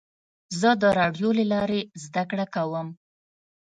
زه د راډیو له لارې زده کړه کوم.